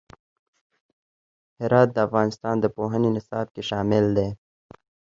هرات د افغانستان د پوهنې نصاب کې شامل دي.